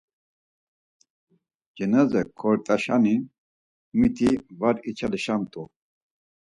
Cenaze kort̆aşani miti var içalişamt̆u.